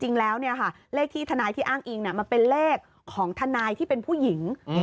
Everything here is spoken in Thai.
จริงแล้วเลขที่ทนายที่อ้างอิงมันเป็นเลขของทนายที่เป็นผู้หญิง